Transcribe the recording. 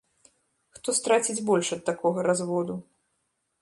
Хто страціць больш ад такога разводу?